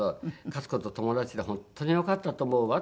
「かつこと友達で本当に良かったと思うわ」